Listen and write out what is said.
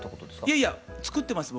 いやいや作ってます